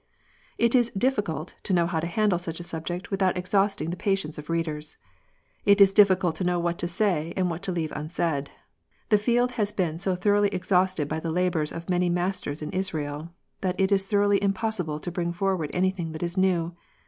It is difficult to know how to handle such a subject without exhausting the patience of readers. It is difficult to know what to say, and what to leave unsaid. The field has been so thoroughly exhausted by the labours of many masters in Israel, that it is literally impossible to bring forward anything that is new.